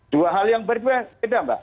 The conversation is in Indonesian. dua hal yang berbeda beda mbak